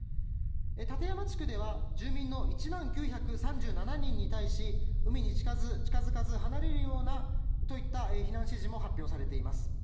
館山地区では住民の１万９３７人に対し海に近付かず離れるようにといった避難指示も発表されています。